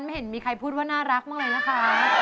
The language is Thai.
เห็นมีใครพูดว่าน่ารักมากเลยนะคะ